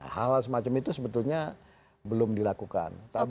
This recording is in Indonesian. hal semacam itu sebetulnya belum dilakukan